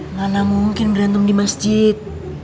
mana mungkin berantem di masjid